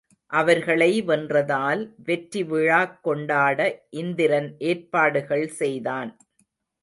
அவர்களை வென்றதால் வெற்றி விழாக்கொண்டாட இந்திரன் ஏற்பாடுகள் செய்தான்.